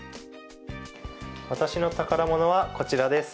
私の宝物はこちらです。